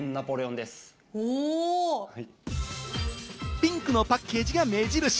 ピンクのパッケージが目印。